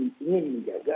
memang kami ingin menjaga